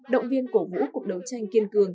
động viên cổ vũ cuộc đấu tranh kiên cường